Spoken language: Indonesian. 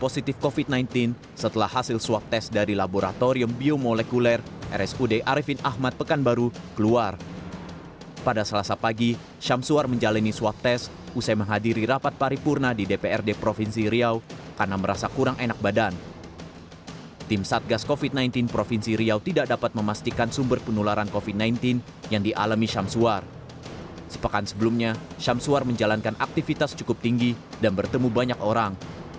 sepekan sebelumnya syamsuar menjalankan aktivitas cukup tinggi dan bertemu banyak orang